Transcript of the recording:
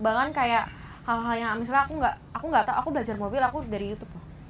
bahkan kayak hal hal yang misalnya aku gak tau aku belajar mobil aku dari youtube